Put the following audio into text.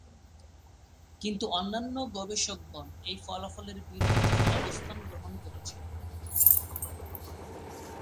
কিন্তু অন্যান্য গবেষকগণ এ ফলাফলের বিরুদ্ধে অবস্থান গ্রহণ করেছেন।